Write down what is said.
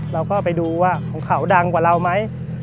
เราก็ไปดูว่าของเขาดังกว่าเราไหม